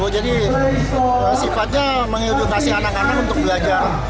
jadi sifatnya mengedukasi anak anak untuk belajar